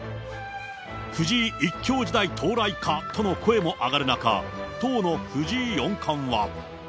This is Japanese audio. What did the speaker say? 藤井一強時代到来かとの声も上がる中、当の藤井四冠は。